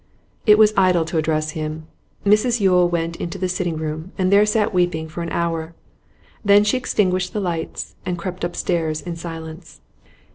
It was idle to address him. Mrs Yule went into the sitting room, and there sat weeping for an hour. Then she extinguished the lights, and crept upstairs in silence.